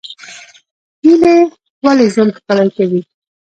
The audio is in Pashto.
هیلې ولې ژوند ښکلی کوي؟